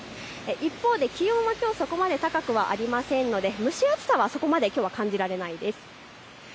一方で気温はきょうそこまで高くはありませんので蒸し暑さはそこまできょうは感じられないです。